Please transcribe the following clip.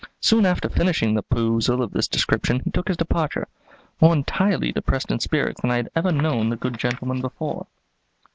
Soon after finishing the perusal of this description he took his departure, more entirely depressed in spirits than I had ever known the good gentleman before.